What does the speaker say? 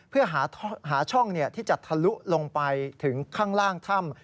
เพื่อหาช่องที่จะทะลุลงไปถึงข้างล่างถ้ำ